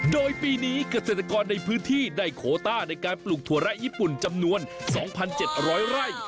โดยปีนี้เกษตรกรในพื้นที่ได้โคต้าในการปลูกถั่วแร้ญี่ปุ่นจำนวน๒๗๐๐ไร่